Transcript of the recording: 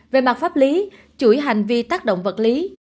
về mặt pháp lý chuỗi hành vi tác động vật lý